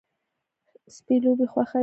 سپي لوبې خوښوي.